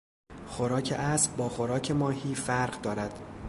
خوراک اسب با خوراک ماهی فرق دارد.